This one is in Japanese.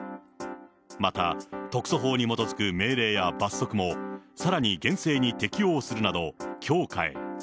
また、特措法に基づく命令や罰則も、さらに厳正に適用するなど強化へ。